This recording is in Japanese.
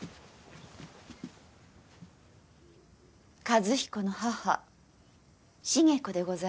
和彦の母重子でございます。